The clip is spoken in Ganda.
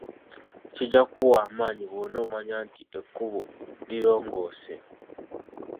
Kijja kukuwa amaanyi bwonomanya nti ekkubo lirongoose.